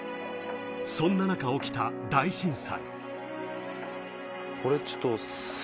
そんな中、起きた大震災。